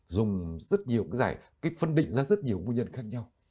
dùng rất nhiều cái giải cái phân định ra rất nhiều nguyên nhân khác nhau